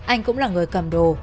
anh cũng là người cầm đồ